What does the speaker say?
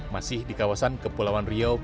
masih di kawasan kepulauan riau